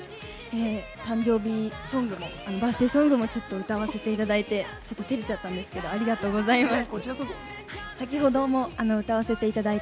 誕生日ソングも、バースデーソングも歌わせていただいて、ちょっと照れちゃったんですけれども、ありがとうございました。